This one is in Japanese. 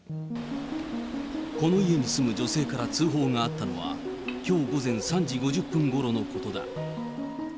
この家に住む女性から通報があったのは、きょう午前３時５０分ごろのことだ。